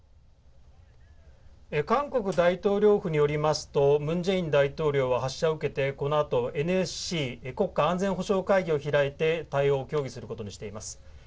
韓国大統領府によりますとムン・ジェイン大統領は発射を受けてこのあとＮＳＣ・国家安全保障会議を開いて対応を協議することにしています。